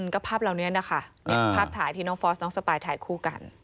ก็ภาพเหล่านี้นะคะภาพถ่ายที่น้องฟอสน้องสปายถ่ายคู่กัน